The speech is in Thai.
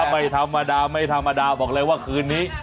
ไม่ธรรมดาไม่ธรรมดาบอกเลยว่าคืนนี้